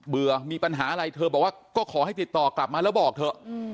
ื่อมีปัญหาอะไรเธอบอกว่าก็ขอให้ติดต่อกลับมาแล้วบอกเถอะ